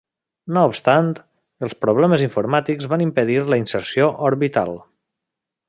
No obstant, els problemes informàtics van impedir la inserció orbital.